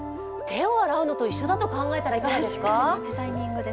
手を洗うのと一緒だと考えたらいかがですか？